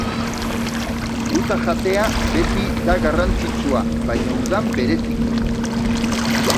Fruta jatea beti da garrantzitsua, baina udan, bereziki.